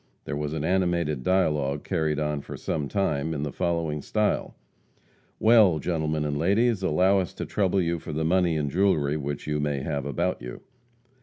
There was an animated dialogue carried on for a time, in the following style: "Well, gentlemen and ladies, allow us to trouble you for the money and jewelry which you may have about you."